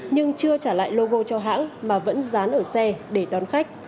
nhưng chưa trả lại logo cho hãng mà vẫn dán ở xe để đón khách